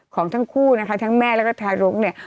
ของทั้งคู่นะคะทั้งแม่แล้วก็ทารกเนี่ย